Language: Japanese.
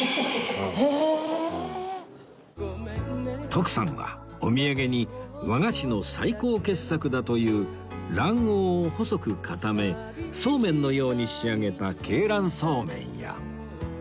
徳さんはお土産に和菓子の最高傑作だという卵黄を細く固め素麺のように仕上げた鶏卵素麺や